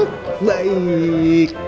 nampak banyak mungkin